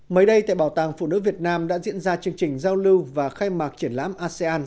mới đây tại bảo tàng phụ nữ việt nam đã diễn ra chương trình giao lưu và khai mạc triển lãm asean